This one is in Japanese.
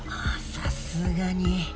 さすがに。